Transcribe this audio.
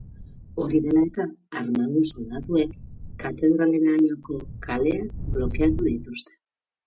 Hori dela eta, armadun soldaduek katedralerainoko kaleak blokeatu dituzte.